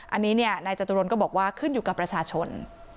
อันนี้เนี่ยนายจตุรนก็บอกว่าขึ้นอยู่กับประชาชน